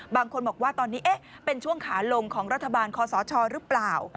บางคนบอกว่าตอนนี้เป็นช่วงขาลงของรัฐบาลคอสชหรือเปล่า